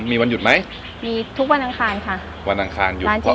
มีวันหยุดไหมมีทุกวันอ่างคารค่ะวันอ่างคารยุดเพราะอะไร